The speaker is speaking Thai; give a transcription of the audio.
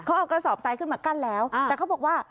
เขาเอากระสอบทรายขึ้นมากั้นแล้วแต่เขาบอกว่า